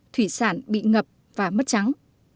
thủy sản bị ngập và mất trắng